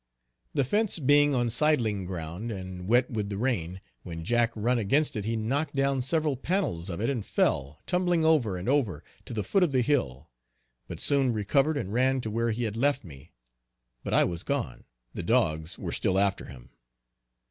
The fence being on sidling ground, and wet with the rain, when Jack run against it he knocked down several panels of it and fell, tumbling over and over to the foot of the hill; but soon recovered and ran to where he had left me; but I was gone. The dogs were still after him.